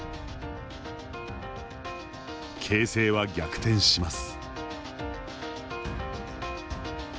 形勢は逆転します。